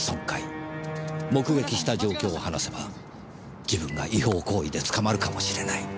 目撃した状況を話せば自分が違法行為で捕まるかもしれない。